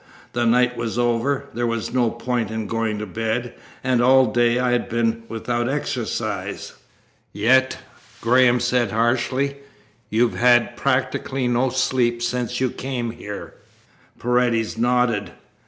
The night was over. There was no point in going to bed, and all day I had been without exercise." "Yet," Graham said harshly, "you have had practically no sleep since you came here." Paredes nodded.